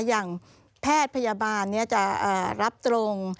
อย่างแพทย์พยาบาลจะรับตรง